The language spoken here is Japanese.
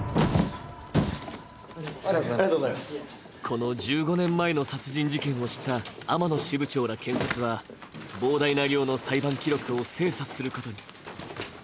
この１５年前の殺人事件を知った天野支部長ら検察は、膨大な量の裁判記録を精査することに。